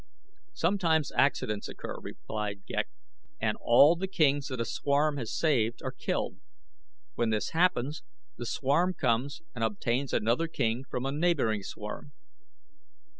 "Sometimes accidents occur," replied Ghek, "and all the kings that a swarm has saved are killed. When this happens the swarm comes and obtains another king from a neighboring swarm."